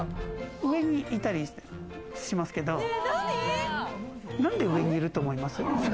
上にいたりしますけど、何で上にいると思います？